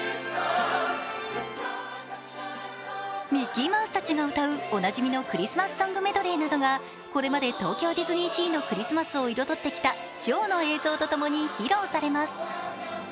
ミッキーマウスたちが歌うおなじみのクリスマスソングメドレーなどがこれまで東京ディズニーシーのクリスマスを彩ってきたショーの映像と共に披露されます。